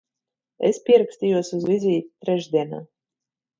Es pierakstījos uz vizīti trešdienā.